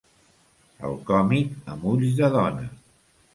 "El còmic amb ulls de dona"